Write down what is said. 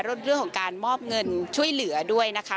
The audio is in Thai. เรื่องของการมอบเงินช่วยเหลือด้วยนะคะ